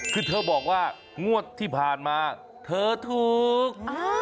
คือเธอบอกว่างวดที่ผ่านมาเธอถูก